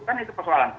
kan itu persoalan